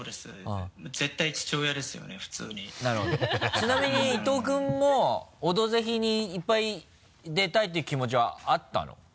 ちなみに伊藤君も「オドぜひ」にいっぱい出たいって気持ちはあったの？